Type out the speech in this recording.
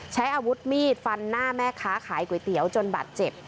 ใช้อาวุธมีดฟันหน้าแม่ค้าขายก๋วยเตี๋ยวจนบาดเจ็บ